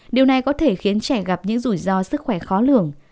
điều này có thể khiến trẻ gặp những rủi ro sức khỏe khó lường